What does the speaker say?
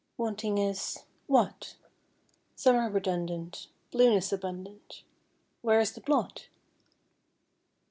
Wanting is what? Summer redundant, Blueness abundant, Where is the blot?